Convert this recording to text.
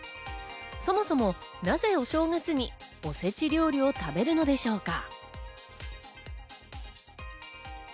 そもそも、なぜお正月におせち料理を食べるのでしょうか？